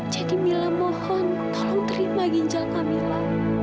jadi mila mohon tolong terima ginjal kamila